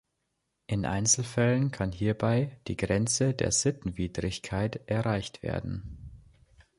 In Einzelfällen kann hierbei die Grenze der Sittenwidrigkeit erreicht werden.